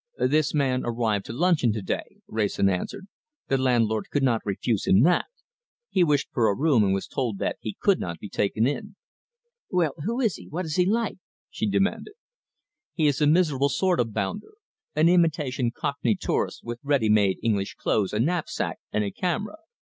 "This man arrived to luncheon to day," Wrayson answered. "The landlord could not refuse him that. He wished for a room and was told that he could not be taken in." "Well, who is he, what is he like?" she demanded. "He is a miserable sort of bounder an imitation cockney tourist, with ready made English clothes, a knapsack, and a camera.